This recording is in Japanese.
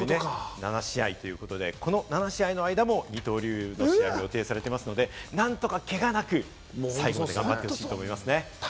あと７試合ということで、この７試合の間も二刀流、予定されていますので、何とかけがなく最後まで頑張ってほしいと思いますね。